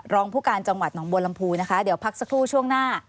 รองผู้การจังหวัดหนองบัวลำพูนะคะเดี๋ยวพักสักครู่ช่วงหน้า